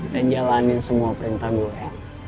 dan jalanin semua perintah gue